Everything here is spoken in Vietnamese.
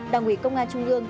đảng ủy công an trung ương